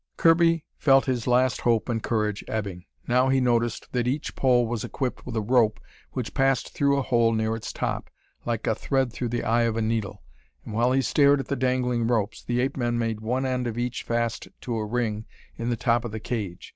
Kirby felt his last hope and courage ebbing. Now he noticed that each pole was equipped with a rope which passed through a hole near its top, like a thread through the eye of a needle. And while he stared at the dangling ropes, the ape men made one end of each fast to a ring in the top of the cage.